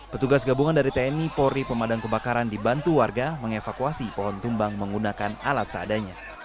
petugas gabungan dari tni polri pemadam kebakaran dibantu warga mengevakuasi pohon tumbang menggunakan alat seadanya